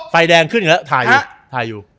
ฟัยแดงขึ้นอีกแล้วถ่ายอยู่